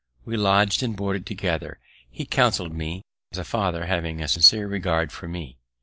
We lodg'd and boarded together; he counsell'd me as a father, having a sincere regard for me.